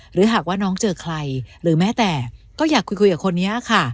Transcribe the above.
หากว่าน้องเจอใครหรือแม้แต่ก็อยากคุยกับคนนี้ค่ะ